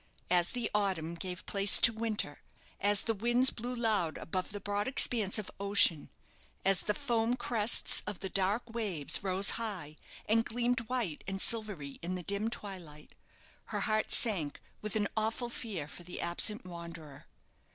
As the autumn gave place to winter, as the winds blew loud above the broad expanse of ocean, as the foam crests of the dark waves rose high, and gleamed white and silvery in the dim twilight, her heart sank with an awful fear for the absent wanderer.